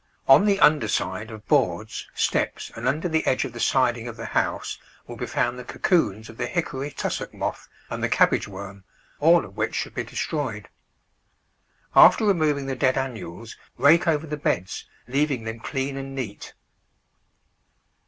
On the under side of boards, steps, and under the edge of the siding of the house will be found the cocoons of the hickory tussock moth and the cabbage worm, all of which should be destroyed. After re moving the dead annuals rake over the beds, leaving them clean and neat.